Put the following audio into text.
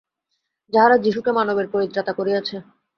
তাহারা যীশুকে মানবের পরিত্রাতা করিয়াছে।